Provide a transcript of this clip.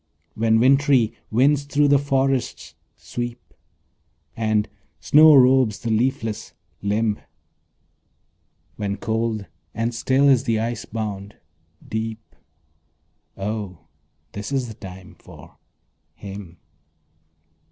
When wintry winds thro' the forests sweep, And snow robes the leafless limb; When cold and still is the ice bound deep, O this is the time for him.